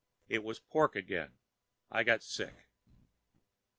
It was pork again, and I got sick.